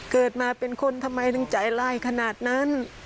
เกิดมาเป็นคนทำไมถึงใจร้ายขนาดนั้น